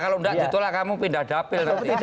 kalau tidak ditolak kamu pindah dapil